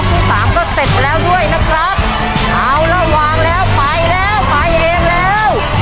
เอาแล้ววางแล้วไปแล้วไปเองแล้ว